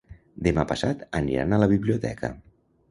Demà passat aniran a la biblioteca.